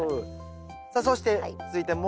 さあそして続いてもう一つ